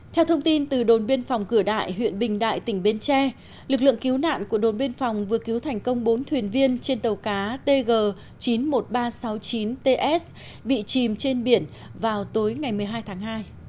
theo thông tin từ đồn biên phòng cửa đại huyện bình đại tỉnh bến tre lực lượng cứu nạn của đồn biên phòng vừa cứu thành công bốn thuyền viên trên tàu cá tg chín mươi một nghìn ba trăm sáu mươi chín ts bị chìm trên biển vào tối ngày một mươi hai tháng hai